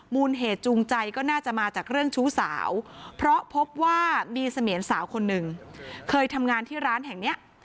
มูลเหตุจูงใจก็น่าจะมาจากเรื่องชู้สาวเพราะพบว่ามีเสมียนสาวคนหนึ่งเคยทำงานที่ร้านแห่งเนี้ย